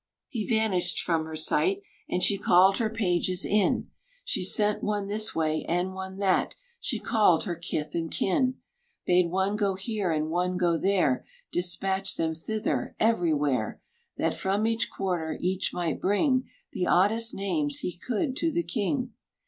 He vanished from her sight, And she called her pages in; She sent one this way, and one that; She called her kith and kin, Bade one go here, and one go there, Despatched them thither, everywhere That from each quarter each might bring The oddest names he could to the king.